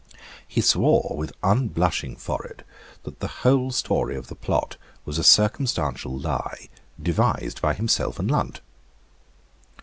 He swore with unblushing forehead that the whole story of the plot was a circumstantial lie devised by himself and Lunt.